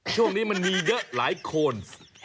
ช่วงนี้มันมีเยอะหลายคน